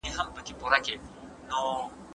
موبايل اړيکې ډېرې اسانه کړي دي.